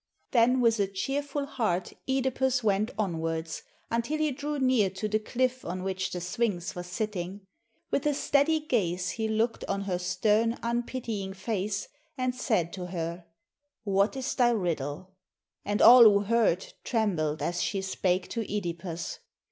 Then with a cheerful heart (Edipus went onwards, until he drew near to the cliff on which the Sphinx was sitting. With a steady gaze he looked on her stern, unpitying face, and said to her, "What is thy riddle?" and all who heard trembled as she spake to (Edipus.